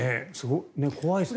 怖いですね。